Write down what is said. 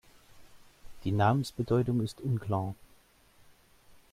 Die Namensbedeutung ist unklar.